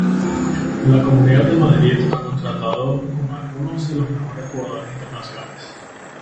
La Comunidad de Madrid ha contado con algunos de los mejores jugadores internacionales.